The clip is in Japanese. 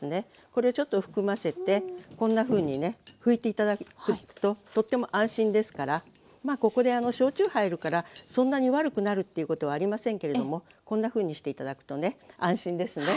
これをちょっと含ませてこんなふうにね拭いて頂くととっても安心ですからまあここで焼酎入るからそんなに悪くなるということはありませんけれどもこんなふうにして頂くとね安心ですね。